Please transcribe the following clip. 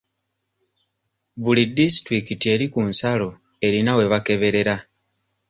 Buli disitulikiti eri ku nsalo erina we bakeberera.